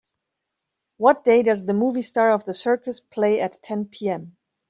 what day does the movie Star of the Circus play at ten PM